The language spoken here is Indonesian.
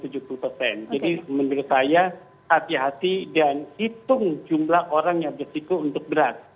jadi menurut saya hati hati dan hitung jumlah orang yang bergejala untuk berat